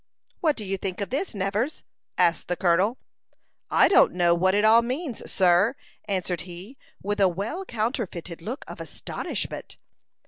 "What do you think of this, Nevers?" asked the colonel. "I don't know what it all means, sir," answered he, with a well counterfeited look of astonishment.